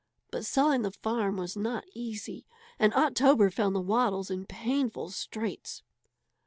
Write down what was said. But selling the farm was not easy, and October found the Waddles in painful straits.